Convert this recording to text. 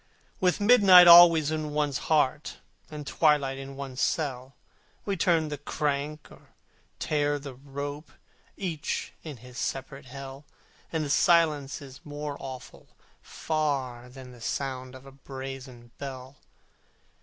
With midnight always in one's heart, And twilight in one's cell, We turn the crank, or tear the rope, Each in his separate Hell, And the silence is more awful far Than the sound of a brazen bell.